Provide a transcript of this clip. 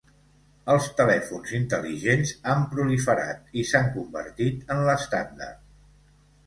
Els telèfons intel·ligents han proliferat i s'han convertit en l'estàndard.